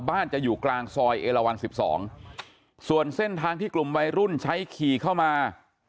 จะอยู่กลางซอยเอลวัน๑๒ส่วนเส้นทางที่กลุ่มวัยรุ่นใช้ขี่เข้ามา